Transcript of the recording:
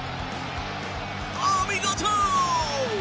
お見事！